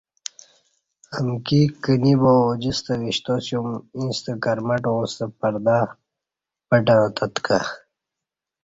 امکی کِینی با اوجِستہ وِشتاسیوم ییݩستہ کرمٹاں ستہ پردہ پٹں اہتہت کہ